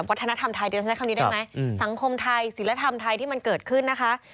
วัฒนธรรมไทยเดี๋ยวฉันใช้คำนี้ได้ไหมสังคมไทยศิลธรรมไทยที่มันเกิดขึ้นนะคะ